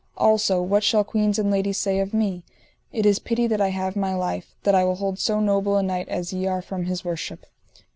Also what shall queens and ladies say of me? It is pity that I have my life, that I will hold so noble a knight as ye are from his worship.